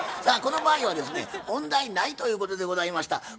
さあこの場合はですね問題ないということでございました。